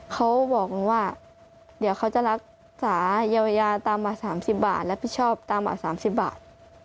เขาบอกหนูว่าเดี๋ยวเขาจะรักษาเยียวยาตามมา๓๐บาทรับผิดชอบตามมา๓๐บาท